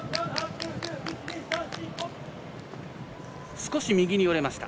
少し右によれました。